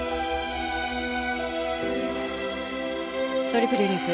トリプルループ。